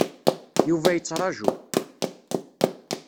Yuba yettraǧu.